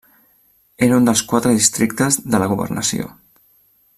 Era un dels quatre districtes de la governació.